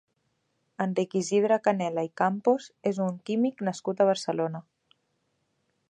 Enric Isidre Canela i Campos és un químic nascut a Barcelona.